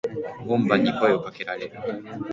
門番に声を掛けられる。